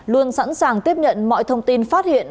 luôn sẵn sàng tiếp nhận mọi thông tin phát hiện